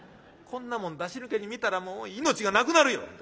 こんなもん出し抜けに見たらもう命がなくなるよ